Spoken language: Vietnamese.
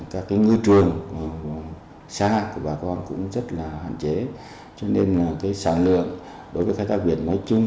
các ngư trường xa của bà con cũng rất là hạn chế cho nên sản lượng đối với khai thác biển nói chung